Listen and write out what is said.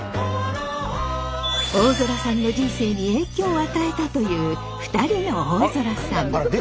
大空さんの人生に影響を与えたという２人の大空さん。